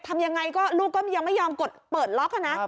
ทำยังไงก็ลูกก็ยังไม่ยอมกดเปิดล็อกนะ